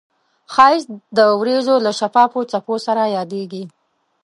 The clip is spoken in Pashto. ښایست د وریځو له شفافو څپو سره یادیږي